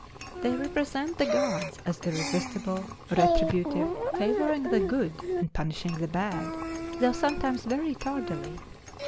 They represent the gods as irresistible, retributive, favoring the good and punishing the bad, though sometimes very tardily.